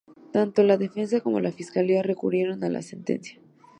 Tanto la defensa como la fiscalía recurrieron la sentencia.